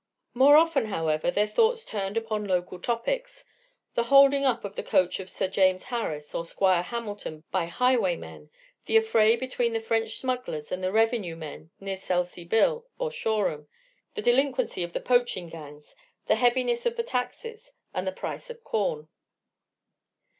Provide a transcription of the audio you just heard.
More often, however, their thoughts turned upon local topics the holding up of the coach of Sir James Harris or Squire Hamilton by highwaymen; the affray between the French smugglers and the Revenue men near Selsea Bill or Shoreham; the delinquencies of the poaching gangs; the heaviness of the taxes, and the price of corn.